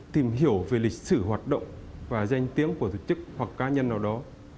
tìm hiểu về lịch sử hoạt động và danh tiếng của tổ chức hoặc cá nhân nào đó